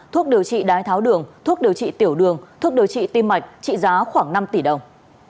thuốc điều trị đái tháo đường thuốc điều trị tiểu đường thuốc điều trị tim mạch trị giá khoảng năm tỷ đồng